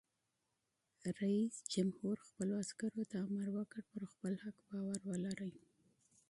رئیس جمهور خپلو عسکرو ته امر وکړ؛ پر خپل حق باور ولرئ!